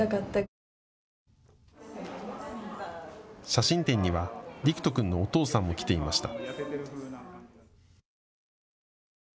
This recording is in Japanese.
写真展には睦人くんのお父さんも来ていました。